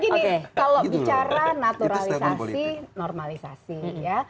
dan gini kalau bicara naturalisasi normalisasi ya